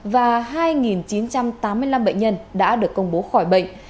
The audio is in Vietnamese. và hai chín trăm tám mươi năm bệnh nhân đã được công bố khỏi bệnh